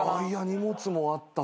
荷物もあったからな。